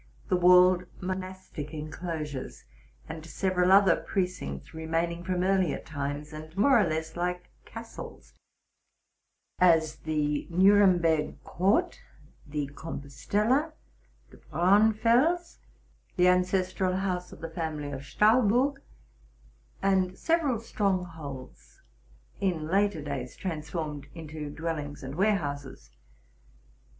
the walled monastic en closures. and several other precincts, remaining from earlier times, and more or less like castles, — as the Nuremberg Court, the Compostella, the Braunfels, the ancestral house of the family of Stallburg, and several strongholds, in later days transformed into dwellings and warehouses.